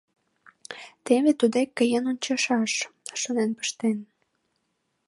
Теве туддек каен ончышаш, — шонен пыштен...